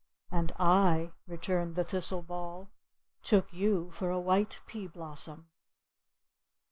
"And I," returned the thistle ball, "took you for a white pea blossom."